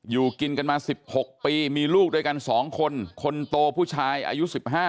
อยู่กินกันมา๑๖ปีมีลูกด้วยกัน๒คนคนโตผู้ชายอายุ๑๕